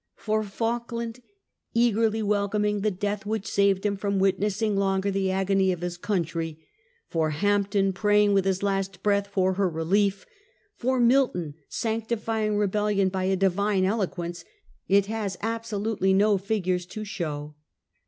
For Falkland, eagerly welcoming the death which saved him from witnessing longer the agony of his country ; for Hampden, praying with his last breath for her relief ; for Milton, sanctifying rebellion by a divine eloquence, it has absolutely no figures to show.